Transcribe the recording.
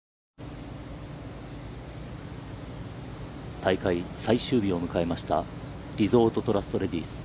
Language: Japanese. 大会最終日を迎えましたリゾートトラストレディス。